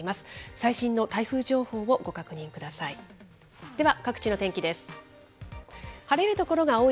最新の台風情報をご確認ください。